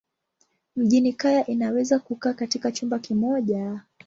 Mjini kaya inaweza kukaa katika chumba kimoja.